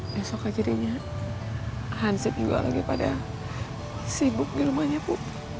besok akhirnya hansit juga lagi pada sibuk di rumahnya bu